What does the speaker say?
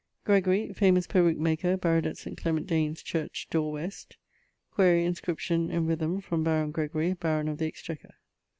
Gregorie, famous peruq maker, buryed at St. Clement Danes church dore west. Quaere inscription in rythme from baron Gregory, baron of the exchequer.